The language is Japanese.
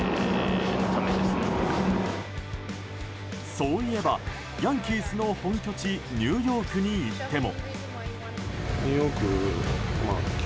そういえばヤンキースの本拠地ニューヨークに行っても。